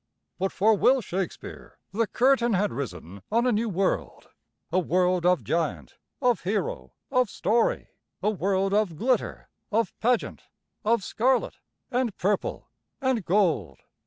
says Willy Shakespeare"] But for Will Shakespeare the curtain had risen on a new world, a world of giant, of hero, of story, a world of glitter, of pageant, of scarlet and purple and gold.